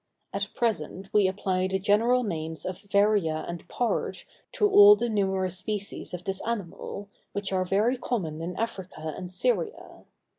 At present we apply the general names of varia and pard to all the numerous species of this animal, which are very common in Africa and Syria.